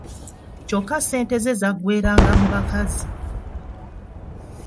Kyokka ssente ze zaggweranga mu bakazi.